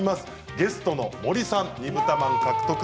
ゲストの森さん２ぶたまん獲得。